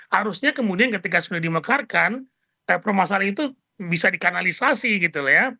harusnya kemudian ketika sudah dimekarkan permasalahan itu bisa dikanalisasi gitu loh ya